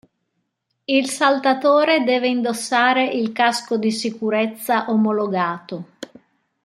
Il saltatore deve indossare il casco di sicurezza omologato.